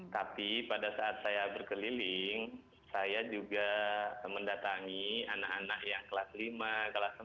tapi pada saat saya berkeliling saya juga mendatangi anak anak yang kelas lima kelas empat